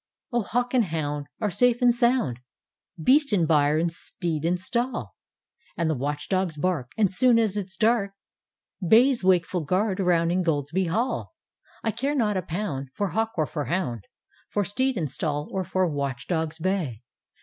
"" O, Hawk and Hound Are safe and sound. Beast in byre and Steed in stall; And the Watch dog's bark, As soon as it's dark, Bays wakeful guard around Ingoldsby Halll "—" I care not a pound For Hawk or for Hound, For Steed in stall or for Watch dog's bay.